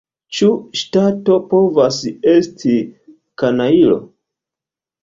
Ĉu ŝtato povas esti kanajlo?